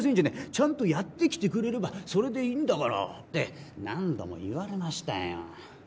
「ちゃんとやってきてくれればそれでいいんだから」って何度も言われましたよ